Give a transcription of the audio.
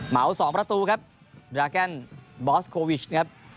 มา๒ประตูครับดราแกนบอสโควิชนะครับ